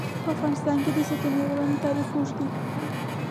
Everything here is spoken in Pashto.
په افغانستان کې د ستوني غرونه تاریخ اوږد دی.